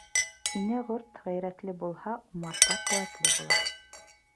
Инә ҡорт ғәйрәтле булһа, умарта ҡеүәтле була.